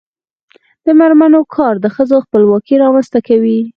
د میرمنو کار د ښځو خپلواکي رامنځته کوي.